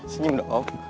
senyum dong lo